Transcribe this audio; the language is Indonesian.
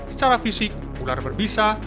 secara fisik ular berbisa